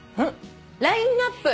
ラインアップ。